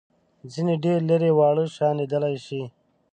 ځینې ډېر لېري واړه شیان لیدلای شي.